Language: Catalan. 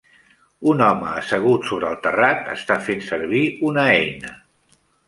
Un home assegut sobre el terrat està fent servir una eina.